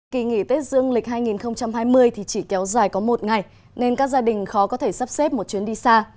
kỳ nghỉ tết dương lịch hai nghìn hai mươi thì chỉ kéo dài có một ngày nên các gia đình khó có thể sắp xếp một chuyến đi xa